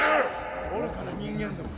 愚かな人間ども！